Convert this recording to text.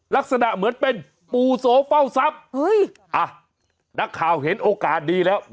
ลักษณะเหมือนเป็นปู่โสเฝ้าทรัพย์นักข่าวเห็นโอกาสดีแล้ว